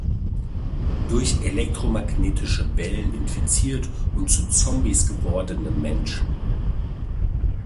Durch elektromagnetische Wellen infiziert und zu Zombies gewordene Menschen.